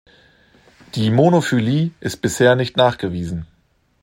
Die Monophylie ist bisher nicht nachgewiesen.